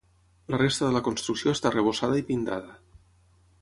La resta de la construcció està arrebossada i pintada.